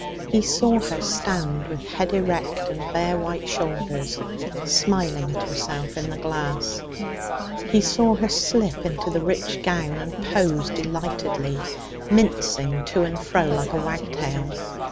He saw her stand with head erect and bare white shoulders, smiling at herself in the glass. He saw her slip into the rich gown and pose delightedly, mincing to and fro like a wagtail.